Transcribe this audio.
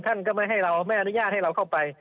ท่านก็ไม่ให้เราไม่อนุญาตให้เราเข้าไป